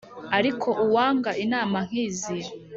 ariko uwanga inama nk`izi